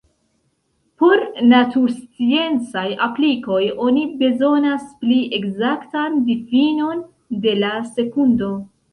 Por natursciencaj aplikoj oni bezonas pli ekzaktan difinon de la sekundo.